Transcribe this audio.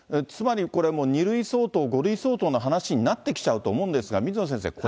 つまり、これ、２類相当、５類相当の話になってきちゃうと思うんですが、水野先生、